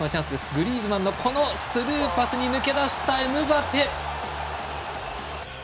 グリーズマンのスルーパスに抜け出したエムバペ！